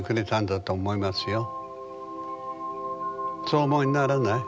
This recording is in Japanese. そうお思いにならない？